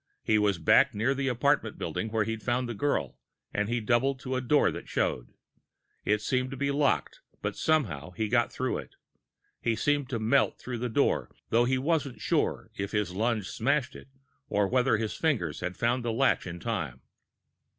He was back near the apartment building where he'd found the girl, and he doubled to a door that showed. It seemed to be locked, but somehow, he got through it. He seemed to melt through the door, though he wasn't sure whether his lunge smashed it or whether his fingers had found the latch in time.